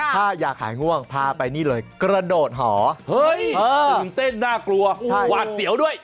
ถ้าอยากหายง่วงพาไปนี่เลยกระโดดหอเฮ้ยตื่นเต้นน่ากลัวหวาดเสียวด้วย